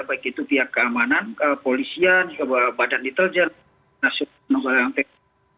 baik itu pihak keamanan polisian badan intelijen nasional dan lain lain